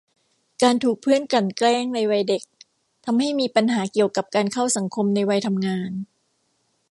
การถูกเพื่อนกลั่นแกล้งในวัยเด็ก ทำให้มีปัญหาเกี่ยวกับการเข้าสังคมในวัยทำงาน